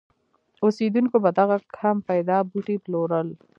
اوسېدونکو به دغه کم پیدا بوټي پلورل.